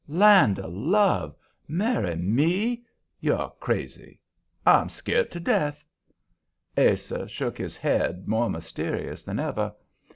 "Land of love! Marry ME? You're crazy! I'm scart to death." Ase shook his head, more mysterious than ever.